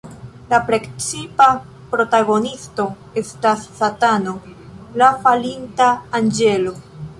La precipa protagonisto estas Satano, la falinta anĝelo.